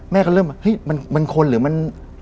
แม่ก็เริ่มว่าเฮ้ยมันคนหรือมัน